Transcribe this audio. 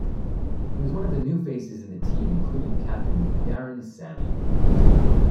He was one of the new faces in the team including captain Darren Sammy.